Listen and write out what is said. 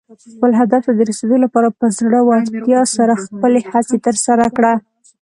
خپل هدف ته د رسېدو لپاره په زړۀ ورتیا سره خپلې هڅې ترسره کړه.